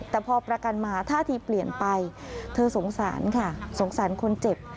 แต่พอประกันมาท่าทีเปลี่ยนไปเธอสงสารค่ะสงสารคนเจ็บ